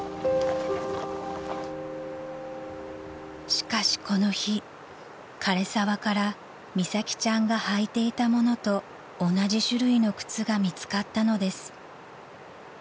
［しかしこの日枯れ沢から美咲ちゃんが履いていたものと同じ種類の靴が見つかったのです］